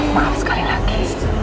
maaf sekali lagi